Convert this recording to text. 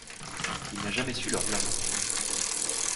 Il n'a jamais su leur dire non.